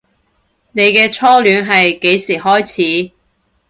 你嘅初戀係幾時開始